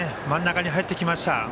真ん中に入ってきました。